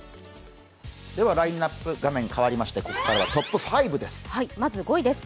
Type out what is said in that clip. ではラインナップ、画面変わりまして、ここからはトップ５です。